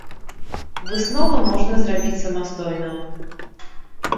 Высновы можна зрабіць самастойна.